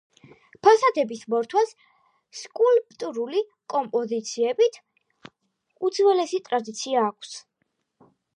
ფასადების მორთვას სკულპტურული კომპოზიციებით, უძველესი ტრადიცია აქვს.